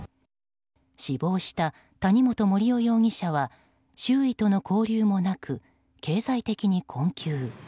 死亡した谷本盛雄容疑者は周囲との交流もなく経済的に困窮。